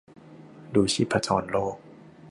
ดูชีพจรโลก